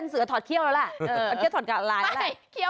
เออเดี๋ยวแนู่ยสองตัวอะไรซะเนี่ย